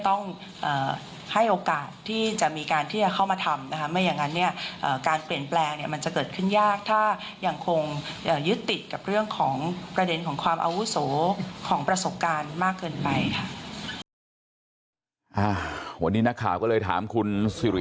ต้องให้โอกาสที่จะมีการเข้ามาทำนะคะไม่อย่างนั้นเนี้ยการ